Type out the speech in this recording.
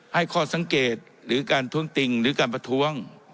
ข้อสังเกตหรือการท้วงติงหรือการประท้วง